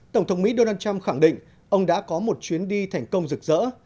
tổng thống mỹ donald trump khẳng định ông đã có một chuyến đi thành công rực rỡ